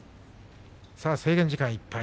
制限時間いっぱい。